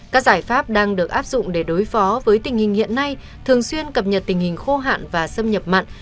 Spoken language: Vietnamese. các giải pháp đang được áp dụng để đối phó với tình hình hiện nay thường xuyên cập nhật tình hình khô hạn và xâm nhập mặn